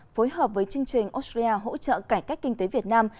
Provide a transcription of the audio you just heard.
phối hợp với chương trình australia hỗ trợ cải cách kinh tế việt nam